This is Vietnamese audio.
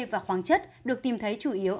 và khoáng chất được tìm thấy chủ yếu